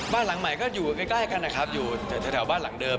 บ้านหลังใหม่ก็อยู่ใกล้กันนะครับอยู่แถวบ้านหลังเดิม